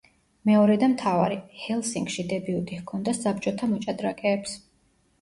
მეორე და მთავარი: ჰელსინკში დებიუტი ჰქონდა საბჭოთა მოჭდრაკეებს.